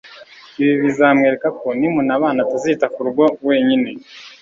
ibi bizamwereka ko nimunabana atazita ku rugo wenyine